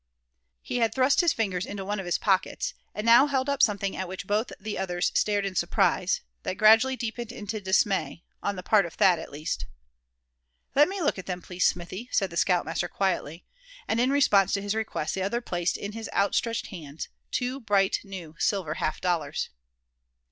He had thrust his fingers into one of his pockets, and now held up something at which both the others stared in surprise, that gradually deepened into dismay, on the part of Thad at least. "Let me look at them, please, Smithy," said the scout master, quietly; and in response to his request the other placed in his outstretched hand two bright new silver half dollars!